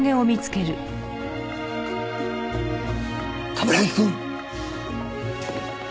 冠城くん！